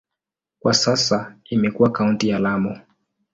Kwa sasa imekuwa kaunti ya Lamu.